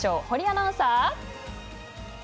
堀アナウンサー。